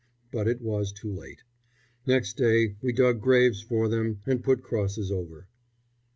But it was too late. Next day we dug graves for them and put crosses over.